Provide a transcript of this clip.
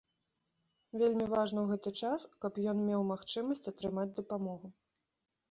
Вельмі важна ў гэты час, каб ён меў магчымасць атрымаць дапамогу.